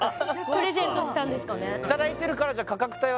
プレゼントしたんですかねですよね？